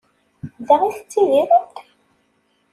Da i tettidiremt?